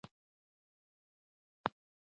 د تقاعد لپاره باید نن فکر وکړو.